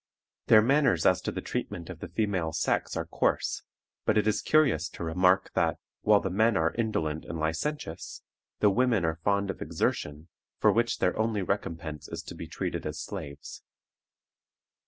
Their manners as to the treatment of the female sex are coarse, but it is curious to remark that, while the men are indolent and licentious, the women are fond of exertion, for which their only recompense is to be treated as slaves.